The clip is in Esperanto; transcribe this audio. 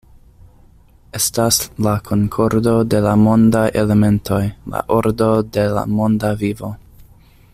Estas la konkordo de la mondaj elementoj, la ordo de la monda vivo.